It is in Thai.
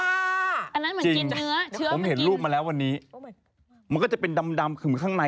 อันนั้นเหมือนกินเนื้อเชื้อผมเห็นรูปมาแล้ววันนี้มันก็จะเป็นดำขึมข้างใน